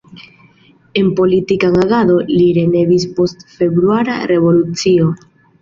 En politikan agadon li revenis post Februara Revolucio.